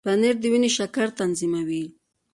پنېر د وینې شکر تنظیموي.